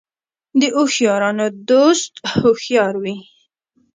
د هوښیارانو دوست هوښیار وي .